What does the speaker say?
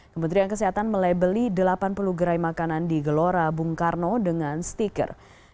kementerian kesehatan melebeli delapan puluh gerai makanan di gelora bung karno dengan stiker